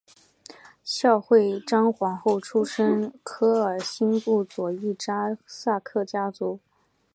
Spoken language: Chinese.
孝惠章皇后出身科尔沁部左翼扎萨克家族。